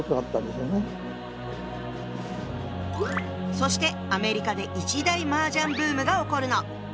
そしてアメリカで一大マージャンブームが起こるの。